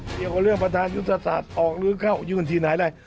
เกี่ยวกับเรื่องประธานยุทธศาสตร์ออกหรือเข้ายื่นทีไหนอะไร